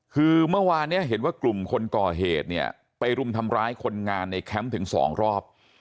คือเมื่อวานเนี่ยเห็นว่ากลุ่มคนก่อเหตุเนี่ยไปรุมทำร้ายคนงานในแคมป์ถึง๒รอบ